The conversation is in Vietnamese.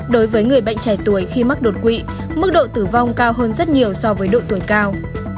đối với người bệnh trẻ tuổi khi mắc đột quỵ mức độ tử vong cao hơn rất nhiều so với độ tuổi cao